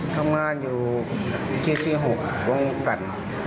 ทำงานอยู่ที่๖วงกัน